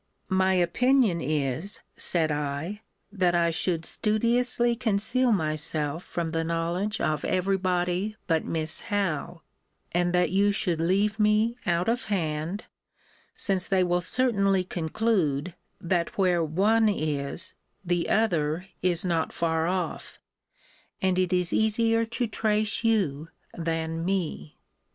My opinion is, said I, that I should studiously conceal myself from the knowledge of every body but Miss Howe; and that you should leave me out of hand; since they will certainly conclude, that where one is, the other is not far off: and it is easier to trace you than me.